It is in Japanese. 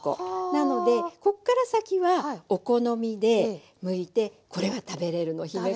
なのでこっから先はお好みでむいてこれが食べれるの姫皮。